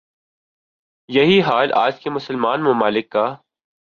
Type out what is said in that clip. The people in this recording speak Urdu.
یہی حال آج کے مسلمان ممالک کا